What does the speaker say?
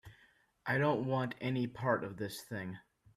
I don't want any part of this thing.